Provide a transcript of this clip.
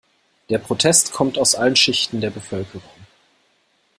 Der Protest kommt aus allen Schichten der Bevölkerung.